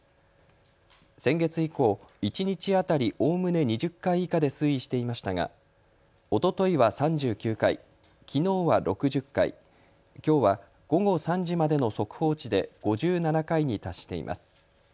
先月以降、一日当たりおおむね２０回以下で推移していましたがおとといは３９回、きのうは６０回、きょうは午後３時までの速報値で５７回に達しています。